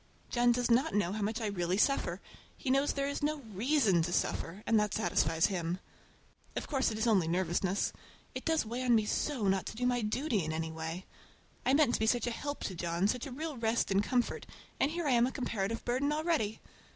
John does not know how much I really suffer. He knows there is no reason to suffer, and that satisfies him. Of course it is only nervousness. It does weigh on me so not to do my duty in any way! I meant to be such a help to John, such a real rest and comfort, and here I am a comparative burden already!